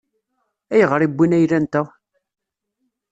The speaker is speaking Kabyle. Ayɣer i wwin ayla-nteɣ?